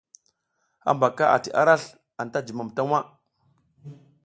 Hambaka ati arasl anta jum ta waʼa.